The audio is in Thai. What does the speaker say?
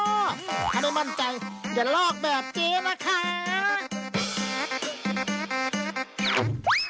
ถ้าได้มั่นใจอย่าลอกแบบเจ๊นะคะ